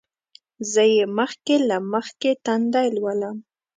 زه یې مخکې له مخکې تندی لولم.